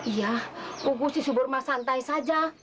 iya aku si subur mah santai saja